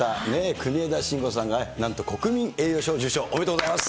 国枝慎吾さんがなんと国民栄誉賞受賞、おめでとうございます。